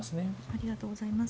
ありがとうございます。